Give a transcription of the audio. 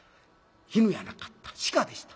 犬やなかった鹿でした。